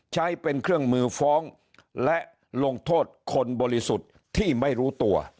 ใช้เป็นเครื่องมือฟ้องและลงโทษคนบริสุทธิ์ที่ไม่รู้ตัว